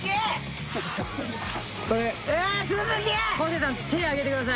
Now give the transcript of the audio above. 昴生さん、手をあげてください。